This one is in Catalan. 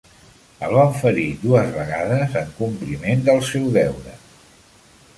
El van ferir dues vegades en compliment del seu deure.